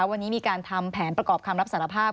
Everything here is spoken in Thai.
วันนี้มีการทำแผนประกอบคำรับสารภาพ